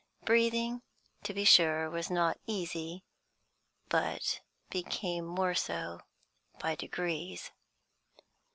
Breathing, to be sure, was not easy, but became more so by degrees.